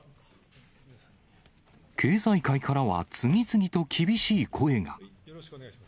経済界からは次々と厳しい声が。